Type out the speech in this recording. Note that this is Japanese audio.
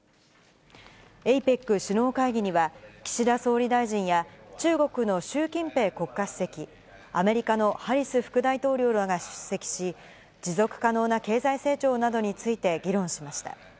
ＡＰＥＣ首脳会議には、岸田総理大臣や、中国の習近平国家主席、アメリカのハリス副大統領らが出席し、持続可能な経済成長などについて議論しました。